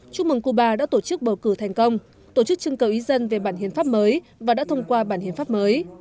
chúc mừng cuba đã tổ chức bầu cử thành công tổ chức trưng cầu ý dân về bản hiến pháp mới và đã thông qua bản hiến pháp mới